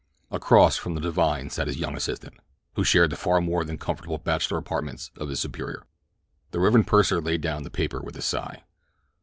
Across from the divine sat his young assistant, who shared the far more than comfortable bachelor apartments of his superior. The Rev. Pursen laid down the paper with a sigh.